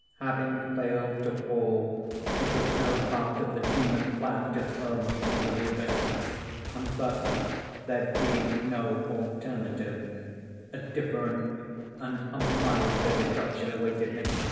Having failed to fall, it was no part of the demon plan to hurl me into the abyss; and thus (there being no alternative) a different and a milder destruction awaited me.